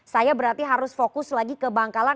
saya berarti harus fokus lagi ke bangkalan